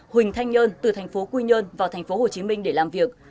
huỳnh thanh nhơn từ thành phố quy nhơn vào thành phố hồ chí minh để làm việc